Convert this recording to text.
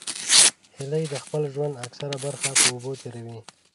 هیلۍ د خپل ژوند اکثره برخه په اوبو تېروي